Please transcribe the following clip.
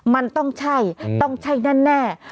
มันต้องใช่ต้องใช่แน่